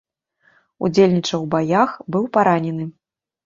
Удзельнічаў у баях, быў паранены.